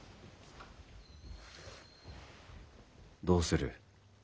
どうする？